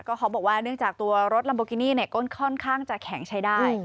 เขาบอกว่าเนื่องจากตัวรถลัมโบกินี่ก็ค่อนข้างจะแข็งใช้ได้